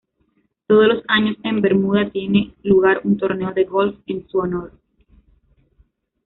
Todos los años en Bermuda tiene lugar un torneo de golf en su honor.